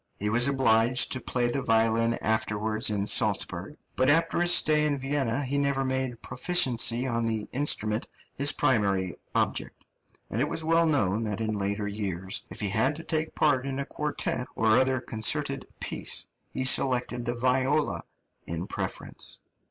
He was obliged to play the violin afterwards in Salzburg; but after his stay in Vienna he never made proficiency on the instrument his primary object, and it is well known that in later years, if he had to take part in a quartet or other concerted piece, he selected the viola in preference.